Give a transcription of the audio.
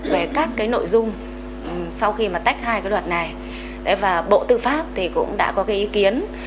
về các nội dung sau khi tách hai luật này bộ tư pháp cũng đã có ý kiến